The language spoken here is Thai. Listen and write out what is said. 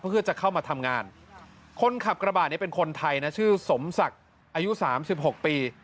เพื่อจะเข้ามาทำงานคนขับกระบะนี้เป็นคนไทยนะชื่อสมศักดิ์อายุสามสิบหกปี